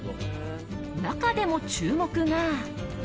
中でも注目が。